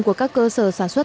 của các cơ sở sản xuất